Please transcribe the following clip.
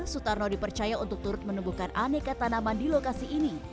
sutarno dipercaya untuk turut menemukan aneka tanaman di lokasi ini